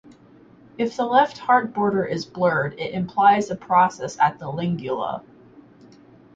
If the left heart border is blurred, it implies a process at the lingula.